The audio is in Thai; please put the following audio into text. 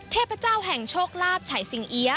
เทพเจ้าแห่งโชคลาภฉัยสิงเอี๊ย